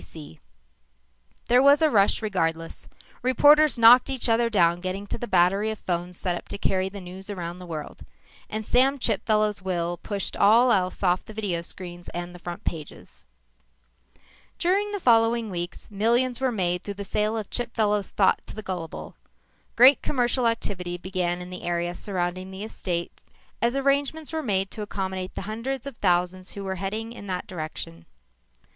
S. B. C._" There was a rush regardless. Reporters knocked each other down getting to the battery of phones set up to carry the news around the world. And Sam Chipfellow's will pushed all else off the video screens and the front pages. During the following weeks, millions were made through the sale of Chipfellow's thought to the gullible. Great commercial activity began in the area surrounding the estate as arrangements were made to accommodate the hundreds of thousands who were heading in that direction.